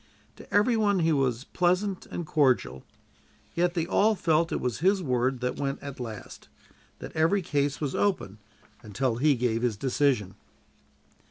To every one he was pleasant and cordial. Yet they all felt it was his word that went at last; that every case was open until he gave his decision.